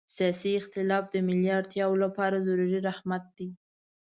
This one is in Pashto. سیاسي اختلاف د ملي اړتیا لپاره ضروري رحمت ده.